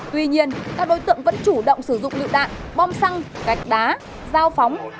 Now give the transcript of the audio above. tuy nhiên các đối tượng vẫn chủ động sử dụng lựa đạn bom xăng gạch đá giao phóng